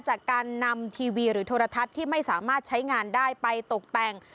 จากการนำทีวีหรือโทรทัศน์ที่ไม่สามารถใช้งานได้ไปตกแต่ง